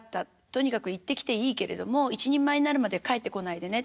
とにかく行ってきていいけれども一人前になるまでは帰ってこないでね」